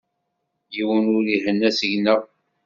Yiwen ur ihenna seg-neɣ.